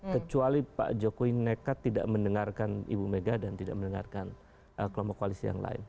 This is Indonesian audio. kecuali pak jokowi nekat tidak mendengarkan ibu mega dan tidak mendengarkan kelompok koalisi yang lain